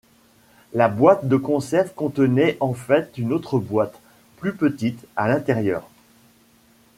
La boîte de conserve contenait en fait une autre boîte, plus petite, à l’intérieur.